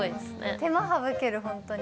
手間省ける、本当に。